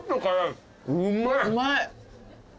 うまい。